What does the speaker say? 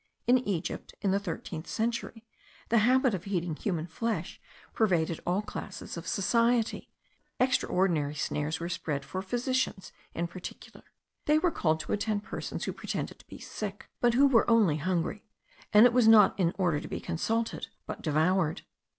In Egypt, in the thirteenth century, the habit of eating human flesh pervaded all classes of society; extraordinary snares were spread for physicians in particular. They were called to attend persons who pretended to be sick, but who were only hungry; and it was not in order to be consulted, but devoured.